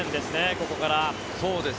ここから。